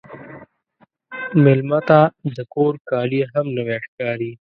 مېلمه ته د کور کالي هم نوی ښکاري.